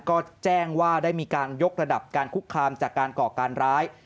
ก็แจ้งว่าได้มีการยกระดับการคุกคามจากการก่อการร้าย